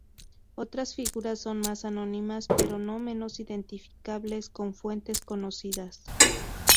Otras figuras son más anónimas pero no menos identificables con fuentes conocidas.